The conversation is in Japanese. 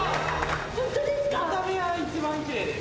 見た目は一番きれいです。